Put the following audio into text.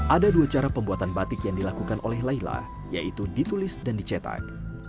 ada dua cara pembuatan batik yang dilakukan oleh laila yaitu ditulis dan dicetak